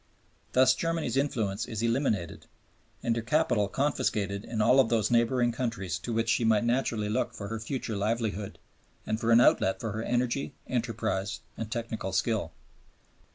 Thus Germany's influence is eliminated and her capital confiscated in all those neighboring countries to which she might naturally look for her future livelihood, and for an outlet for her energy, enterprise, and technical skill.